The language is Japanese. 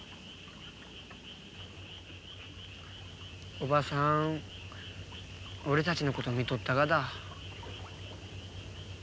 おばさん俺たちのこと見とったがだ。